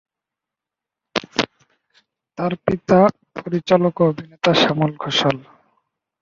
তার পিতা পরিচালক ও অভিনেতা শ্যামল ঘোষাল।